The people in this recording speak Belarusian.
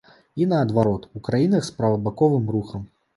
І наадварот у краінах з правабаковым рухам.